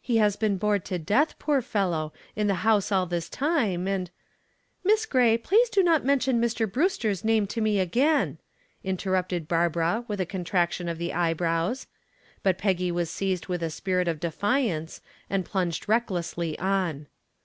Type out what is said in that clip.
"He has been bored to death, poor fellow, in the house all this time, and " "Miss Gray, please do not mention Mr. Brewster's name to me again," interrupted Barbara, with a contraction of the eyebrows. But Peggy was seized with a spirit of defiance and plunged recklessly on.